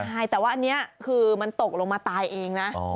ใช่แต่ว่าอันนี้คือมันตกลงมาตายเองนะ